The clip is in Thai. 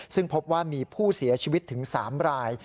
ซึ่งพบว่ามีผู้เสียชีวิตถึง๓ราย